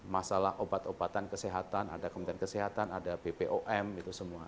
masalah obat obatan kesehatan ada kementerian kesehatan ada bpom itu semua